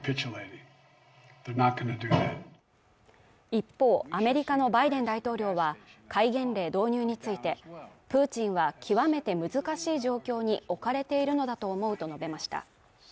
一方アメリカのバイデン大統領は戒厳令導入についてプーチンは極めて難しい状況に置かれているのだと思うと述べました